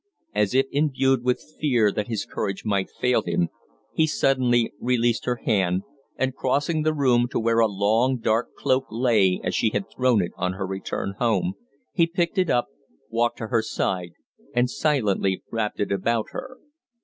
As if imbued with fear that his courage might fail him, he suddenly released her hand, and, crossing the room to where a long, dark cloak lay as she had thrown it on her return home, he picked it up, walked to her side, and silently wrapped it about her.